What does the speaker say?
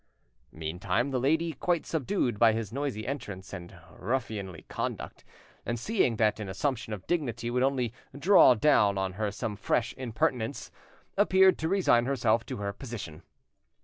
Meantime the lady, quite subdued by his noisy entrance and ruffianly conduct, and seeing that an assumption of dignity would only draw down on her some fresh impertinence, appeared to resign herself to her position.